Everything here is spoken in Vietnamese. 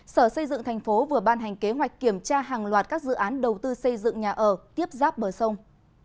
sở xây dựng thành phố vừa ban hành kế hoạch kiểm tra hàng loạt các dự án đầu tư xây dựng nhà ở tiếp giáp bờ sông